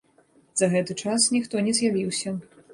За гэты час ніхто не з'явіўся.